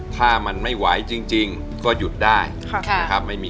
ถ้ามันไม่ไหวจริงก็หยุดได้นะครับ